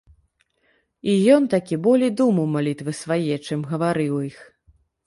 І ён такі болей думаў малітвы свае, чым гаварыў іх.